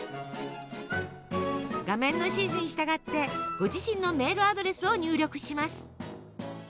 画面の指示に従ってご自身のメールアドレスを入力します。